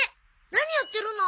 何やってるの？